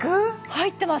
入ってます。